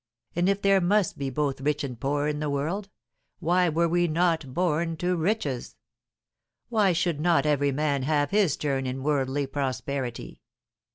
and, if there must be both rich and poor in the world, why were not we born to riches? why should not every man have his turn in worldly prosperity?